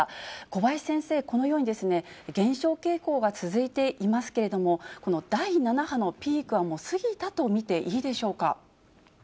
小林先生、このように減少傾向が続いていますけれども、第７波のピークはもう過ぎたと見ていいでしょうか？